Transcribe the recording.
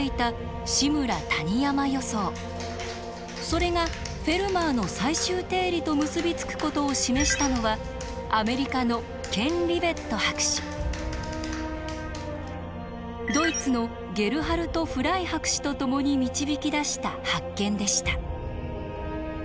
それが「フェルマーの最終定理」と結び付くことを示したのはアメリカのドイツのゲルハルト・フライ博士と共に導き出した発見でした。